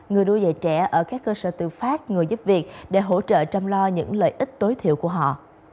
người nuôi dạy trẻ ở các cơ sở tự phát người giúp việc để hỗ trợ chăm lo những lợi ích tối thiểu của họ